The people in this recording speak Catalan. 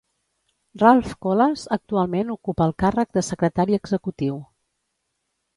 Ralph Colas actualment ocupa el càrrec de secretari executiu.